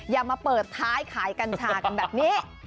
อย่ามาเปิดท้ายขายกัญชากันแบบนี้